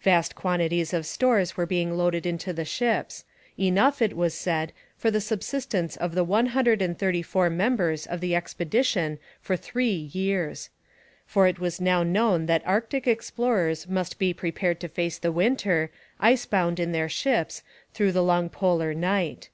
Vast quantities of stores were being loaded into the ships, enough, it was said, for the subsistence of the one hundred and thirty four members of the expedition for three years. For it was now known that Arctic explorers must be prepared to face the winter, icebound in their ships through the long polar night.